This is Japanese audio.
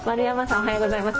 おはようございます。